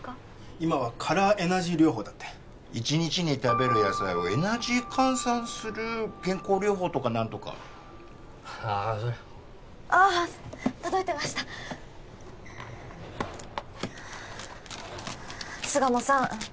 今はカラーエナジー療法だって１日に食べる野菜をエナジー換算する健康療法とか何とかああそれああ届いてました巣鴨さん